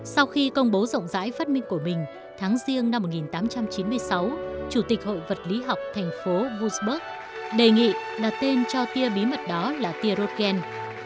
sau khi công bố rộng rãi phát minh của mình tháng riêng năm một nghìn tám trăm chín mươi sáu chủ tịch hội vật lý học thành phố vunsburg đề nghị đặt tên cho tia bí mật đó là tiruken